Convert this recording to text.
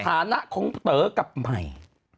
สถานะคงเต๋อกลับใหม่